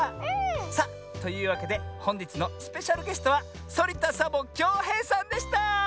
さあというわけでほんじつのスペシャルゲストはそりた・サボ・きょうへいさんでした！